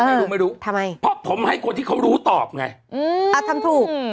ไม่รู้ไม่รู้ทำไมเพราะผมให้คนที่เขารู้ตอบไงอืมอ่าทำถูก